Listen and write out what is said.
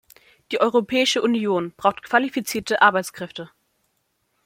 Die Europäische Union braucht qualifizierte Arbeitskräfte.